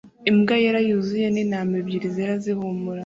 Imbwa yera yuzuye n'intama ebyiri zera zihumura